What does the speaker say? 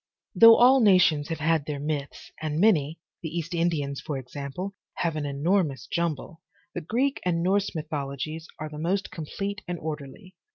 Though all nations have had their myths, and many, the East Indians for example, have an enormous jumble, the Greek and Norse mythologies are the most complete and orderly.